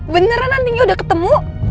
beneran antinya udah ketemu